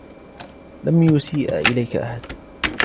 لم يسيء إليك أحد.